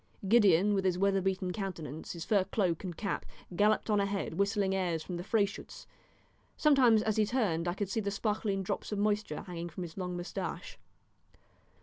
Gideon, with his weather beaten countenance, his fur cloak and cap, galloped on ahead, whistling airs from the Freyschütz; sometimes as he turned I could see the sparkling drops of moisture hanging from his long moustache.